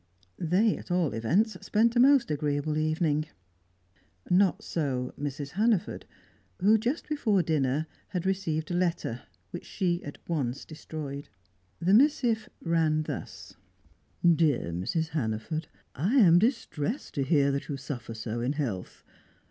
They, at all events, spent a most agreeable evening. Not so Mrs. Hannaford, who, just before dinner, had received a letter, which at once she destroyed. The missive ran thus: "DEAR MRS. HANNAFORD I am distressed to hear that you suffer so in health.